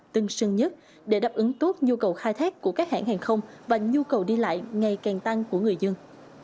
tân sân nhất để đáp ứng tốt nhu cầu khai thác của các hãng hàng không và nhu cầu đi lại ngày càng tăng của người dân